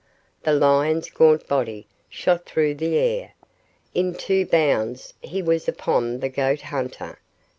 The lion's gaunt body shot through the air. In two bounds, he was upon the goat hunter.